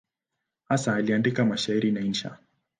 Hasa aliandika mashairi na insha.